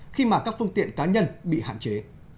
khi mà các phương tiện cá nhân bị hạn chế